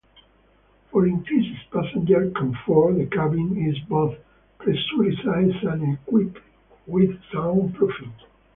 For increased passenger comfort, the cabin is both pressurised and equipped with soundproofing.